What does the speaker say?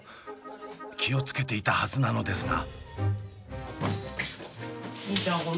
気を付けていたはずなのですが。